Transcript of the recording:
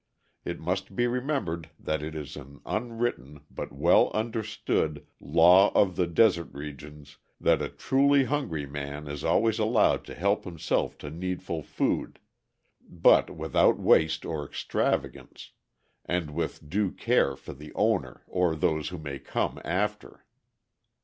It must be remembered that it is an unwritten, but well understood, law of the desert regions that a truly hungry man is always allowed to help himself to needful food, but without waste or extravagance, and with due care for the owner or those who may come after.